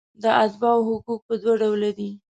د اتباعو حقوق په دوه ډوله دي.